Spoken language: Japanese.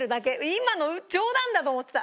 今の冗談だと思ってた。